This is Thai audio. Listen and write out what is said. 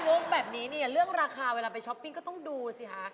งงแบบนี้เนี่ยเรื่องราคาเวลาไปช้อปปิ้งก็ต้องดูสิคะ